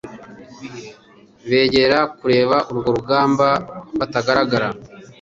begera kureba urwo rugamba batagaragara.